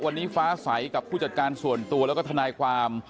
วันนี้ฟ้าใสกับผู้จัดการส่วนตัวแล้วก็ทนายความ